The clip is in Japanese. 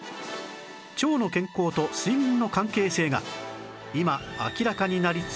腸の健康と睡眠の関係性が今明らかになりつつあるのです